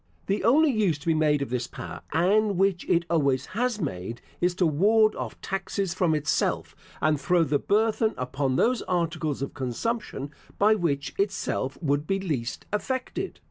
The only use to be made of this power (and which it always has made), is to ward off taxes from itself, and throw the burthen upon those articles of consumption by which itself would be least affected.